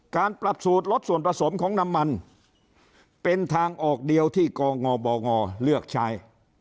การปรับสูตรลดส่วนผสมของน้ำมันเป็นทางออกเดียวที่กงบงเลือกใช้